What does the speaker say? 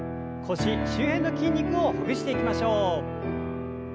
腰周辺の筋肉をほぐしていきましょう。